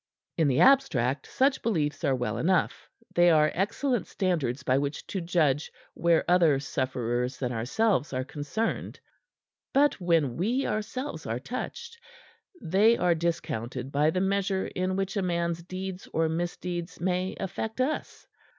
In the abstract such beliefs are well enough; they are excellent standards by which to judge where other sufferers than ourselves are concerned. But when we ourselves are touched, they are discounted by the measure in which a man's deeds or misdeeds may affect us.